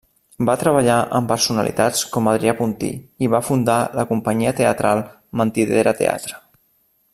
Va treballar amb personalitats com Adrià Puntí i va fundar la companyia teatral Mentidera Teatre.